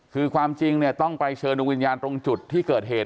คือความจริงเนี่ยต้องไปเชิญดวงวิญญาณตรงจุดที่เกิดเหตุ